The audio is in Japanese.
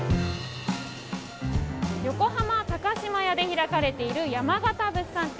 横浜高島屋で開かれている山形物産展。